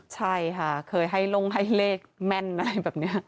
ใช่ค่ะเคยให้ลงให้เลขแม่นอะไรแบบนี้